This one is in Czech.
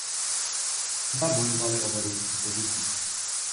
Oba bojovali o vedoucí pozici.